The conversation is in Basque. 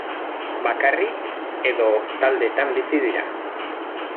Bakarrik edo taldetan bizi dira.